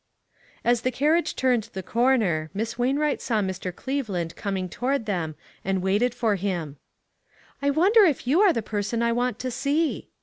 As the carnage turned the corner, Miss Wain wright saw Mr. Cleveland coming toward them and waited for him. " I wonder if you are the person I want to see